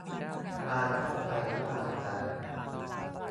ความเข้าใจระหว่างกัน